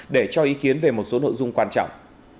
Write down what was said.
để cho ý kiến về một số nội dung quan trọng